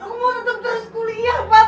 aku mau tetep terus kuliah pak